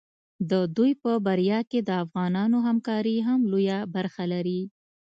د دوی په بریا کې د افغانانو همکاري هم لویه برخه لري.